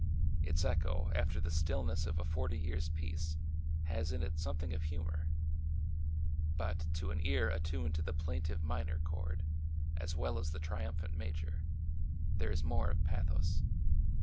Its echo after the stillness of a forty years' peace has in it something of humor ; but to an ear attuned to the plaintive minor chord as well as the triumphant major, there is more of pathos.